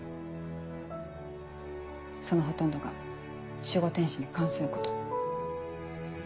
そのほとんどが守護天使に関すること。